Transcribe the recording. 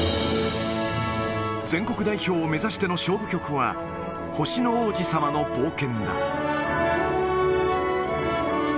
全国代表を目指しての勝負曲は、星の王子さまの冒険だ。